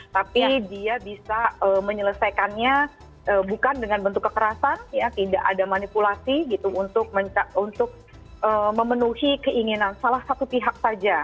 tapi dia bisa menyelesaikannya bukan dengan bentuk kekerasan tidak ada manipulasi gitu untuk memenuhi keinginan salah satu pihak saja